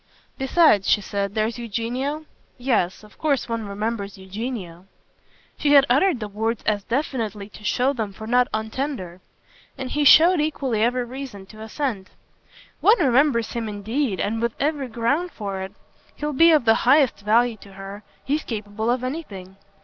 "Besides," she said, "there's Eugenio? Yes, of course one remembers Eugenio." She had uttered the words as definitely to show them for not untender; and he showed equally every reason to assent. "One remembers him indeed, and with every ground for it. He'll be of the highest value to her he's capable of anything.